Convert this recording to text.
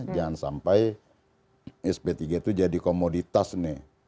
jangan sampai sp tiga itu jadi komoditas nih